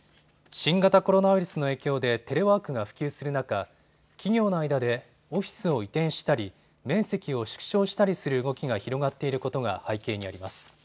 新型コロナウイルスの影響でテレワークが普及する中、企業の間でオフィスを移転したり、面積を縮小したりする動きが広がっていることが背景にあります。